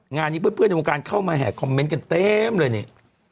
งานนี้เพื่อนในวงการเข้ามาแห่คอมเมนต์กันเต็มเลยนี่